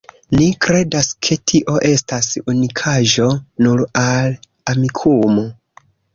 Ni kredas, ke tio estas unikaĵo nur al Amikumu.